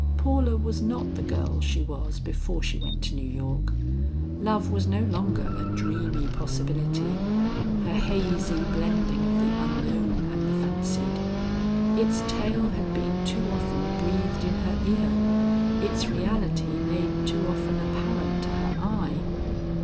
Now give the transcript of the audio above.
Paula was not the girl she was before she went to New York. Love was no longer a dreamy possibility, a hazy blending of the unknown and the fancied; its tale had been too often breathed in her ear, its reality made too often apparent to her eye.